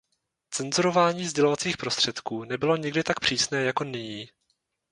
Cenzurování sdělovacích prostředků nebylo nikdy tak přísné jako nyní.